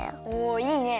おいいね。